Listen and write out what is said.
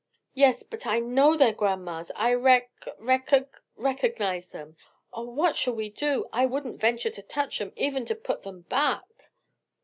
"Yes, but I know they're grandma's, I rec recog recognize them. Oh what shall we do? I wouldn't venture to touch 'em, even to put them back."